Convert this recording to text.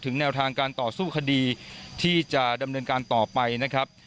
แนวทางการต่อสู้คดีที่จะดำเนินการต่อไปนะครับ